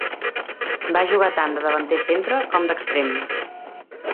Va jugar tant de davanter centre com d'extrem.